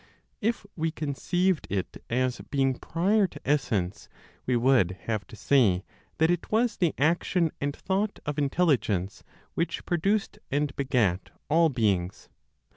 If we conceived it as being prior to essence, we would have to say that it was the action and thought of Intelligence which produced and begat all beings.